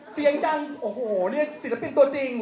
เสียงดังโอ้โหนี่ศิลปินตัวจริง